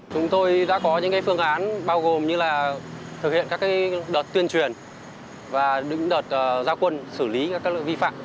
chúng tôi đã có những phương án bao gồm như là thực hiện các đợt tuyên truyền và đợt giao quân xử lý các lỗi vi phạm